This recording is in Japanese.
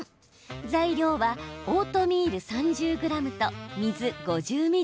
材料はオートミール３０ｇと水５０ｍだけ。